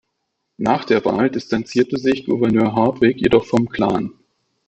Nach der Wahl distanzierte sich Gouverneur Hardwick jedoch vom Klan.